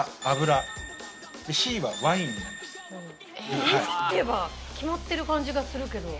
煮るっていえば決まってる感じがするけど。